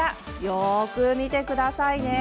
よく見てくださいね。